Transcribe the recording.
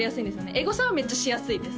エゴサはめっちゃしやすいです